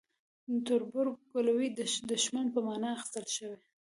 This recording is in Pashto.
تربورګلوي د دښمنۍ په معنی اخیستل شوی.